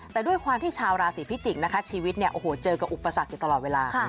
แต่ด้วยความที่ชาวราศีพิจิกษ์ชีวิตเจอกับอุปสรรคอยู่ตลอดเวลา